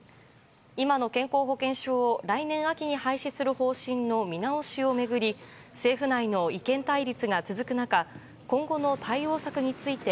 今の健康保険証を来年秋に廃止する方針の見直しを巡り政府内の意見対立が続く中今後の対応策について